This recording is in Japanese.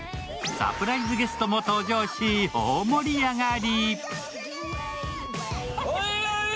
サプライズゲストも登場し大盛り上がり。